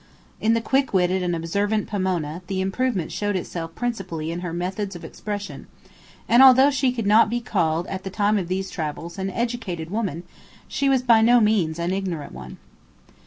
In the quick witted and observant Pomona the improvement showed itself principally in her methods of expression, and although she could not be called at the time of these travels an educated woman, she was by no means an ignorant one.